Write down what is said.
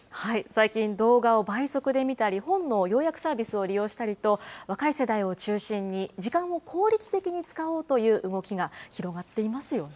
最近、動画を倍速で見たり、本の要約サービスを利用したりと、若い世代を中心に、時間を効率的に使おうという動きが広がっていますよね。